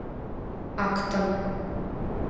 Актым...